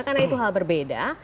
karena itu hal berbeda